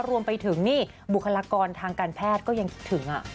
รวมไปถึงนี่บุคลากรทางการแพทย์ก็ยังคิดถึง